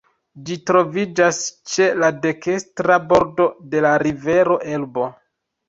Ĝi troviĝas ĉe la dekstra bordo de la rivero Elbo.